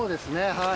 はい？